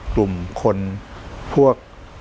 กลุ่มคนพวก